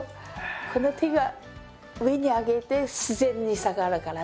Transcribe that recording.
この手が上に上げて自然に下がるからね。